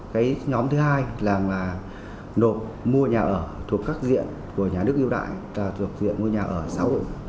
cái nhóm thứ hai là nộp mua nhà ở thuộc các diện của nhà nước yêu đại là thuộc diện mua nhà ở xã hội